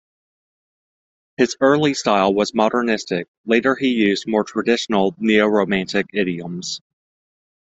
His early style was modernistic, later he used more traditional neo-Romantic idioms.